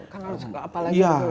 kan harus ke apa lagi ya